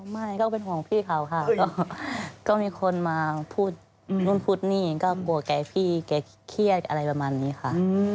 ไม่ก็เป็นห่วงพี่เขาค่ะก็มีคนมาพูดนู่นพูดนี่ก็กลัวแกพี่แกเครียดอะไรประมาณนี้ค่ะ